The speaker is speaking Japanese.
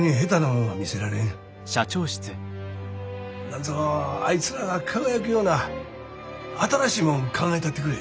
なんぞあいつらが輝くような新しいもん考えたってくれ。